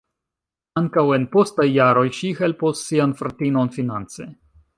Ankaŭ en postaj jaroj ŝi helpos sian fratinon finance.